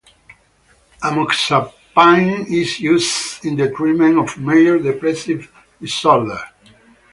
Amoxapine is used in the treatment of major depressive disorder.